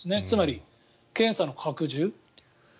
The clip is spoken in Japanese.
つまり、検査の拡充